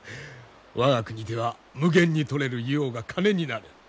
我が国では無限に採れる硫黄が金になる。